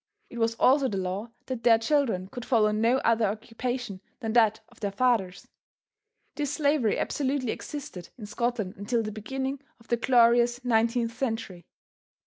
It was also the law that their children could follow no other occupation than that of their fathers. This slavery absolutely existed in Scotland until the beginning of the glorious 19th century.